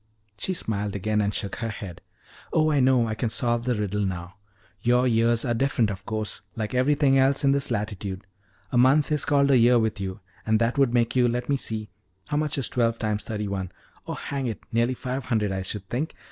She smiled again and shook her head. "Oh, I know, I can solve the riddle now. Your years are different, of course, like everything else in this latitude. A month is called a year with you, and that would make you, let me see how much is twelve times thirty one? Oh, hang it, nearly five hundred, I should think.